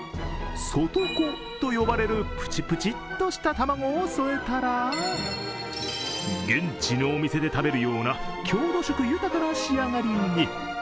外子と呼ばれるプチプチっとした卵を添えたら現地のお店で食べるような郷土色豊かな仕上がりに。